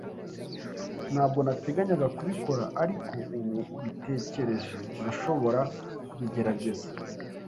Ntabwo nateganyaga kubikora, ariko ubu ubitekereje, ndashobora kubigerageza.